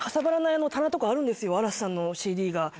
嵐さんのＣＤが。